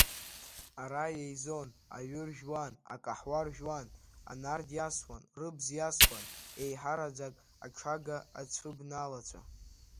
Ара еизон, аҩы ржәуан, акаҳуа ржәуан, анард иасуан, рыбз иасуан, еиҳараӡак аҽага ацәыбналацәа.